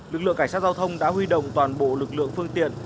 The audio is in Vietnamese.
lực lượng cảnh sát giao thông đã huy động toàn bộ lực lượng phương tiện